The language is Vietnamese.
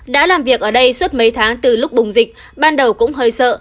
đã làm việc ở đây suốt mấy tháng từ lúc bùng dịch ban đầu cũng hơi sợ